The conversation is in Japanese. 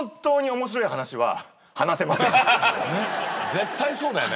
絶対そうだよね。